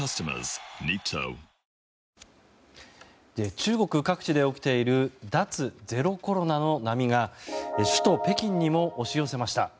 中国各地で起きている脱ゼロコロナの波が首都・北京にも押し寄せました。